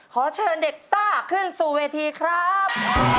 ขอเชิญเด็กซ่าขึ้นสู่เวทีครับ